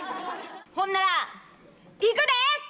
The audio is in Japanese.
ほんならいくで！